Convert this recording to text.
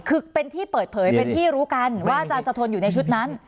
คือเป็นที่เปิดเผยเป็นที่รู้กันว่าอาจารย์สะทนอยู่ในชุดนั้น